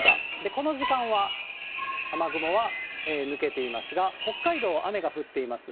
この時間は雨雲は抜けていますが、北海道は雨が降っています。